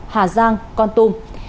hà giang con tum